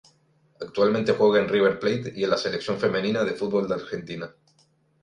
Actualmente juega en River Plate y en la Selección femenina de fútbol de Argentina.